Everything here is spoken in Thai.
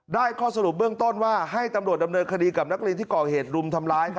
ข้อสรุปเบื้องต้นว่าให้ตำรวจดำเนินคดีกับนักเรียนที่ก่อเหตุรุมทำร้าย